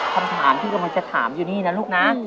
คำถามที่กำลังจะถามอยู่นี่นะลูกนะ